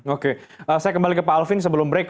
oke saya kembali ke pak alvin sebelum break